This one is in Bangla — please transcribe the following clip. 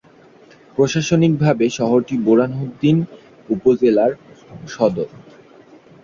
প্রশাসনিকভাবে শহরটি বোরহানউদ্দিন উপজেলার সদর।